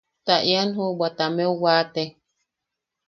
Ta ian juʼubwa tameu waate.